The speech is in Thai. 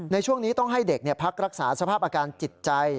ในช่วงนี้ต้องให้เด็กพักรักษาสภาพอาการจิตใจ